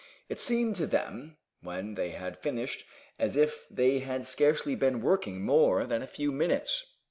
It seemed to them, when they had finished, as if they had scarcely been working more than a few minutes.